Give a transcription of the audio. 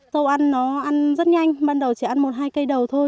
tôi ăn nó ăn rất nhanh ban đầu chỉ ăn một hai cây đầu thôi